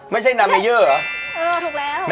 ไม่ใช่น้ำเมเยอร์หรอ